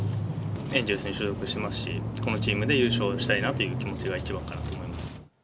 エンゼルスに所属していますし、このチームで優勝したいなという気持ちが一番かなと思います。